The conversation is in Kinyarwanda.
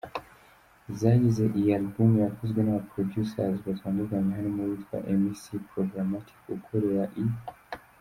zigize iyi alubumu zakozwe nabaproducers batandukanye harimo uwitwa Emiss'r Pragamatic ukorera i.